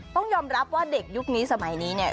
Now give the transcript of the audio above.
ต้องยอมรับว่าเด็กยุคนี้สมัยนี้เนี่ย